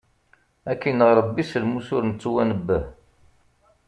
Ad k-ineɣ Ṛebbi s lmus ur nettwanebbeh!